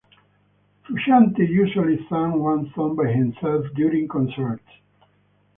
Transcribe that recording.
Frusciante usually sang one song by himself during concerts.